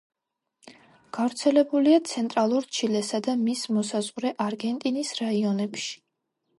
გავრცელებულია ცენტრალურ ჩილესა და მის მოსაზღვრე არგენტინის რაიონებში.